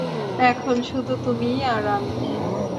এখন শুধু তুমি আর আমি।